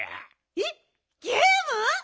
えっゲーム？